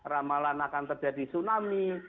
ramalan akan terjadi tsunami